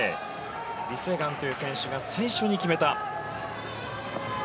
リ・セグァンという選手が最初に決めた。